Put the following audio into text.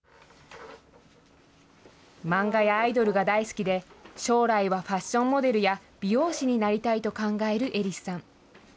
漫画やアイドルが大好きで、将来はファッションモデルや、美容師になりたいと考えるエリスさん。